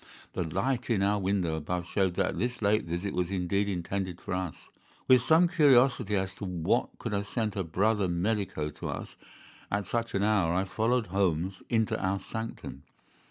The light in our window above showed that this late visit was indeed intended for us. With some curiosity as to what could have sent a brother medico to us at such an hour, I followed Holmes into our sanctum.